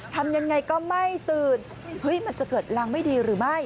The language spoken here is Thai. ทำยังไงก็ไม่ตื่นเฮ้ยมันจะเกิดรังไม่ดีหรือไม่